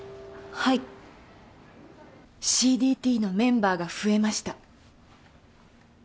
ＣＤＴのメンバーが増えました。